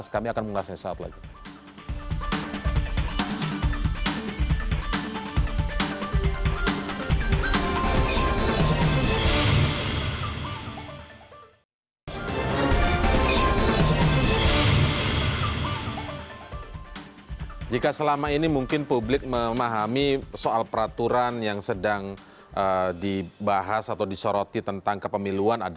kami akan mengulasnya saat lagi